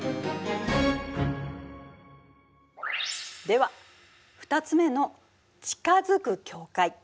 では２つ目の「近づく境界」。